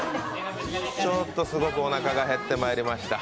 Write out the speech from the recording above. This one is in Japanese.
すごくおなかが減ってまいりました